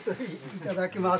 いただきます。